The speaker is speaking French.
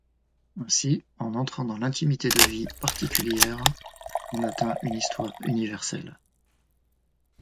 Ainsi, en entrant dans l’intimité de vies particulières, on atteint une histoire universelle.